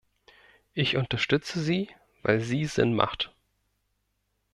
Ich unterstütze sie, weil sie Sinn macht.